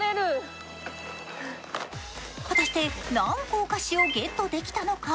果たして、何個お菓子をゲットできたのか。